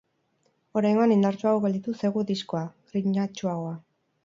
Oraingoan indartsuago gelditu zaigu diskoa, grinatsuagoa.